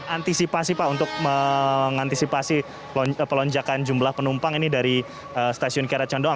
antisipasi pak untuk mengantisipasi pelonjakan jumlah penumpang ini dari stasiun kiara condong